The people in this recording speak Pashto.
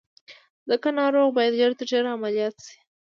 ځکه ناروغ بايد ژر تر ژره عمليات شي.